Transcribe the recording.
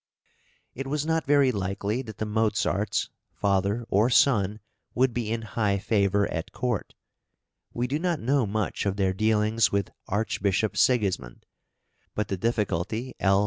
It was not very likely that the Mozarts father or son would be in high favour at court. We do not know much of their dealings with Archbishop Sigismund; but the difficulty L.